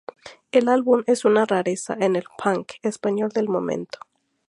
El álbum es una rareza en el punk español del momento.